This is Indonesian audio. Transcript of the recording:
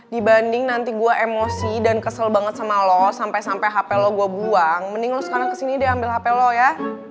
dibanding nanti gue emosi dan kesel banget sama lo sampe sampe hape lo gue buang mending lo sekarang kesini deh ambil hape lo ya